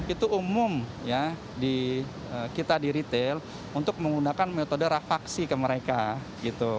itu umum ya kita di retail untuk menggunakan metode rafaksi ke mereka gitu